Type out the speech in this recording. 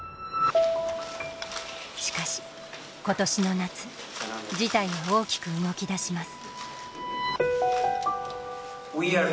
しかし今年の夏事態は大きく動きだします。